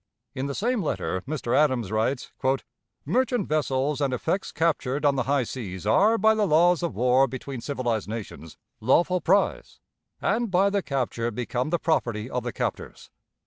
In the same letter, Mr. Adams writes: "Merchant vessels and effects captured on the high seas are, by the laws of war between civilized nations, lawful prize, and by the capture become the property of the captors.